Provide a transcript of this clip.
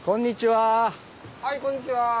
はいこんにちは。